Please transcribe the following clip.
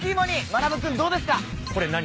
まなぶ君どうですか？